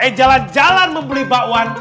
eh jalan jalan membeli bakwan